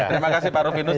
terima kasih pak rufinus